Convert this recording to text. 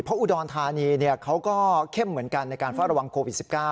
เพราะอุดรธานีเขาก็เข้มเหมือนกันในการเฝ้าระวังโควิด๑๙